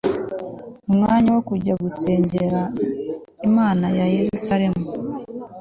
mu mwanya wo kujya gusengera Imana i Yerusalemu